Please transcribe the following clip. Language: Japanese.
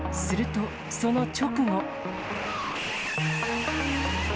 すると、その直後。